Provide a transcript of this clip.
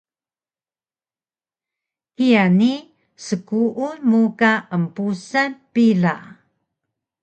Kiya ni skuun mu ka empusal pila